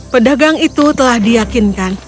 pedagang itu telah diyakinkan